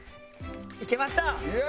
いけました。